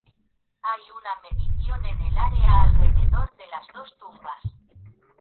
Hay una necrópolis en el área alrededor de las dos tumbas.